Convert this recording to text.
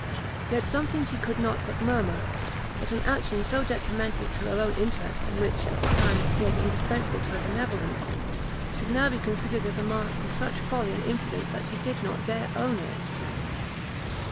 Yet something she could not but murmur, that an action so detrimental to her own interest, and which, at the time, appeared indispensable to her benevolence, should now be considered as a mark of such folly and imprudence that she did not dare own it.